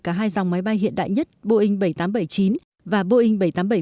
cả hai dòng máy bay hiện đại nhất boeing bảy trăm tám mươi bảy chín và boeing bảy trăm tám mươi bảy một mươi